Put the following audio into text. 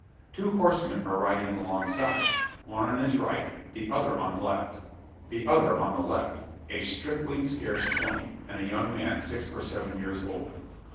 Two horsemen are riding alongside one on his right, the other on the left a stripling scarce twenty, and a young man six or seven years older.